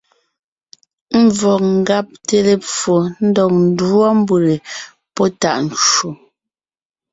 Ḿvɔg ńgabte lepfo ndɔg ńdúɔ mbʉ̀le pɔ́ tàʼ ncwò.